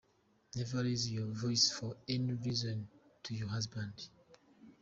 Never raise your voice for any reason to your husband.